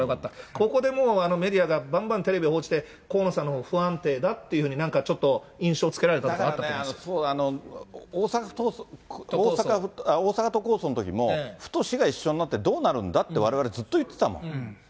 ここでもう、メディアがばんばん、テレビで報じて、河野さんのは不安定だっていうふうに、なんかちょっと印象つけられたとだからね、大阪都構想のときも、府と市が一緒になって、どうなるんだって、われわれずっと言ってたもん。